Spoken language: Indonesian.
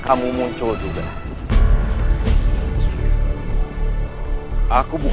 ada yang berbawa gigi